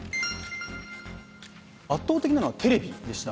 圧倒的なのはテレビでした。